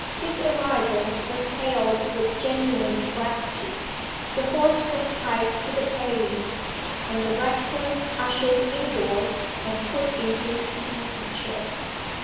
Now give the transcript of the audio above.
His arrival was hailed with genuine gratitude. The horse was tied to the palings, and the rector ushered indoors and put into the easy chair.